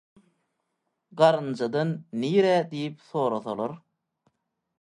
Garynjadan «Nirä?» diýip sorasalar: